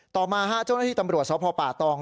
ต่อมาเจ้าหน้าที่ตำรวจสพป่าตอง